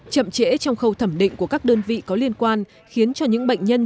chậm trễ trong khâu thẩm định của các đơn vị có liên quan khiến cho những bệnh nhân